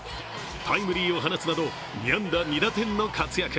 タイムリーを放つなど、２安打２打点の活躍。